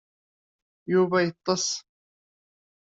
Yuba yettess.